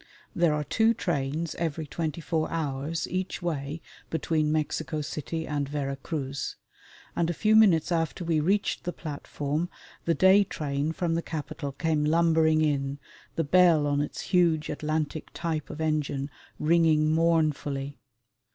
There are two trains every twenty four hours each way between Mexico City and Vera Cruz, and a few minutes after we reached the platform the day train from the capital came lumbering in, the bell on its huge Atlantic type of engine ringing mournfully.